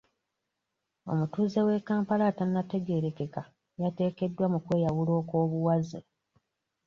Omutuuze w'e Kampala atanategeerekeka yateekeddwa mu kwe yawula okw'obuwaze.